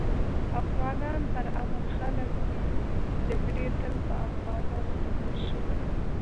افغانان پر امن خلک دي جګړي تل په افغانانو تپل شوي